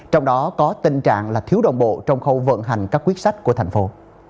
trong đó có tình trạng là thiếu đồng bộ trong khâu vận hành các quyết sách của thành phố